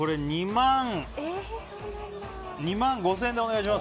１万５０００円！